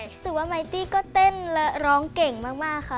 รู้สึกว่ามายตี้ก็เต้นและร้องเก่งมากค่ะ